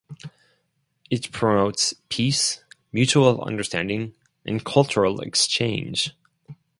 It promotes peace, mutual understanding and cultural exchange.